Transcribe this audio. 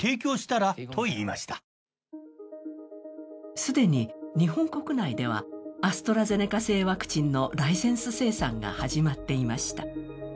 既に日本国内ではアストラゼネカ製ワクチンのライセンス生産が始まっていました。